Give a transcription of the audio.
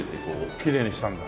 きれいにしたんだ。